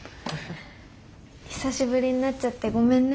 久しぶりになっちゃってごめんね。